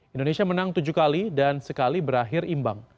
indonesia menang tujuh kali dan sekali berakhir imbang